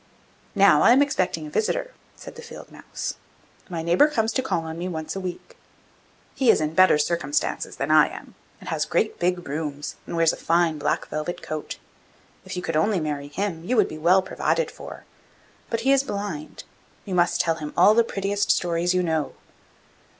'Now I am expecting a visitor,' said the field mouse; 'my neighbour comes to call on me once a week. He is in better circumstances than I am, has great, big rooms, and wears a fine black velvet coat. If you could only marry him, you would be well provided for. But he is blind. You must tell him all the prettiest stories you know.